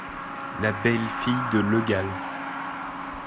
La belle-fille de Le Gall.